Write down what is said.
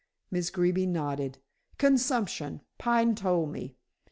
Miss Greeby nodded. "Consumption, Pine told me."